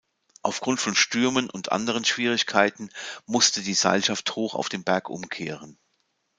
Aufgrund von Stürmen und anderen Schwierigkeiten musste die Seilschaft hoch auf dem Berg umkehren.